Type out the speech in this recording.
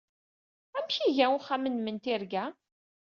Amek ay iga uxxam-nwen n tirga?